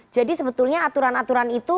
jadi sebetulnya aturan aturan itu